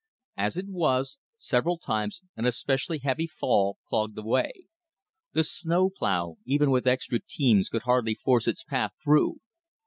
As it was, several times an especially heavy fall clogged the way. The snow plow, even with extra teams, could hardly force its path through.